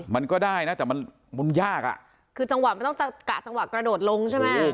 มันก็ได้นะแต่มันมันยากอ่ะคือจังหวะมันต้องกะจังหวะกระโดดลงใช่ไหม